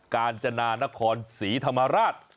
กาญจนานครศรีธรรมราช